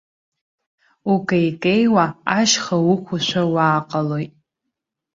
Укеикеиуа ашьха уқәушәа уааҟалоит.